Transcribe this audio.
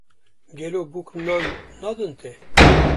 Gelo bûk nan nadin te